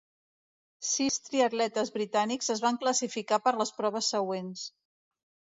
Sis triatletes britànics es van classificar per a les proves següents.